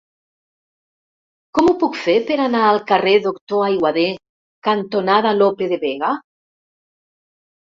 Com ho puc fer per anar al carrer Doctor Aiguader cantonada Lope de Vega?